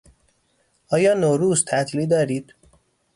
آیا نوروز تعطیلی دارید؟